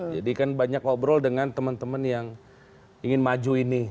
jadi kan banyak ngobrol dengan teman teman yang ingin maju ini